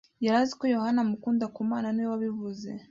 Yari azi ko Yohana amukunda kamana niwe wabivuze